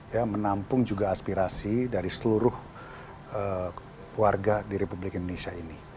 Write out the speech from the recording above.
ya menampung juga aspirasi dari seluruh warga di republik indonesia ini